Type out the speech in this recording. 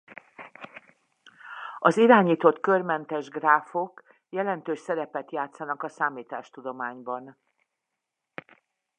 Az irányított körmentes gráfok jelentős szerepet játszanak a számítástudományban.